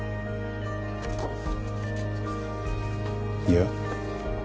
いや。